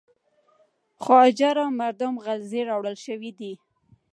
خواجه را مردم غلزی راوړل شوی دی.